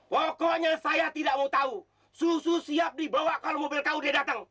pokoknya saya tidak mau tahu susu siap dibawa kalau mobil kaud datang